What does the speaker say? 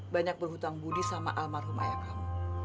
banyak berhutang budi sama almarhum ayah kamu